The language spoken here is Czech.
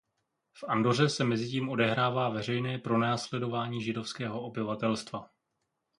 V Andoře se mezitím odehrává veřejné pronásledování židovského obyvatelstva.